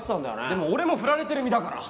でも俺も振られてる身だから。